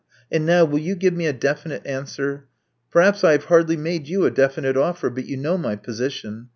And now, will you give me a definite answer? Perhaps I have hardly made you a definite offer ; but you know my position.